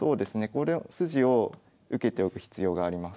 この筋を受けておく必要があります。